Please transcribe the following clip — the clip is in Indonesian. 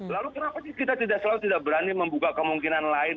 lalu kenapa kita selalu tidak berani membuka kemungkinan lain